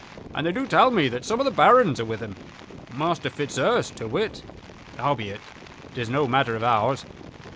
And they do tell me that some of the barons are with him, Master Fitzurse to wit. Howbeit, 'tis no matter of ours.